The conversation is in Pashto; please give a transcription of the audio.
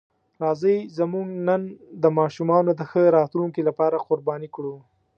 راځئ زموږ نن د ماشومانو د ښه راتلونکي لپاره قرباني کړو.